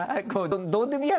どうでもいい話